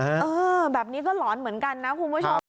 เออแบบนี้ก็หลอนเหมือนกันนะคุณผู้ชม